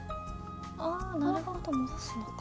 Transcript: ああなるほど戻すのか。